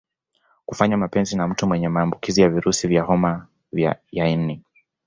Kufanya mapenzi na mtu mwenye maambukizi ya virusi vya homa ya ini